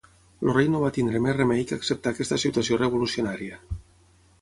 El rei no va tenir més remei que acceptar aquesta situació revolucionaria.